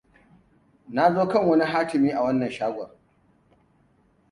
Na zo kan wani hatimin hatim a wannan shagon.